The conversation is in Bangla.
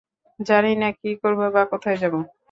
জানি না কী করব বা কোথায় যাবো।